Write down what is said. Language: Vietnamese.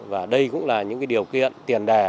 và đây cũng là những điều kiện tiền đề